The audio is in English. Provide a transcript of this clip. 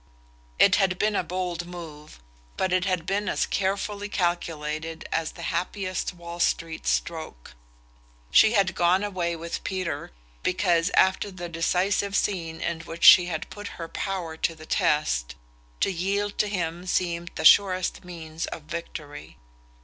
It had been a bold move, but it had been as carefully calculated as the happiest Wall Street "stroke." She had gone away with Peter because, after the decisive scene in which she had put her power to the test, to yield to him seemed the surest means of victory.